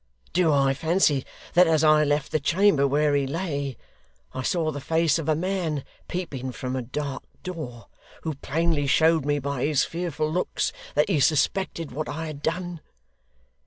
Do I fancy that as I left the chamber where he lay, I saw the face of a man peeping from a dark door, who plainly showed me by his fearful looks that he suspected what I had done?